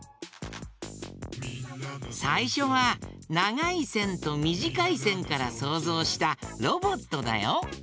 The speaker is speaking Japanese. さいしょはながいせんとみじかいせんからそうぞうしたロボットだよ。